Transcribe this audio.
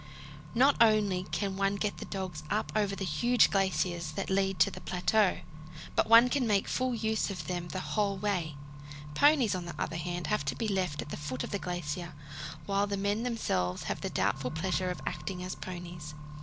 Not only can one get the dogs up over the huge glaciers that lead to the plateau, but one can make full use of them the whole way. Ponies, on the other hand, have to be left at the foot of the glacier, while the men themselves have the doubtful pleasure of acting as ponies.